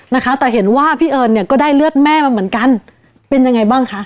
นะคะแต่เห็นว่าพี่เอิญเนี่ยก็ได้เลือดแม่มาเหมือนกันเป็นยังไงบ้างคะ